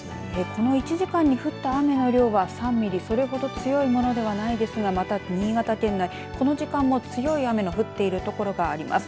この１時間に降った雨の量は３ミリそれほど強いものではないですがまた新潟県内、この時間も強い雨降っている所があります。